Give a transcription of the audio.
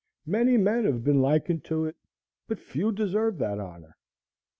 Many men have been likened to it, but few deserve that honor.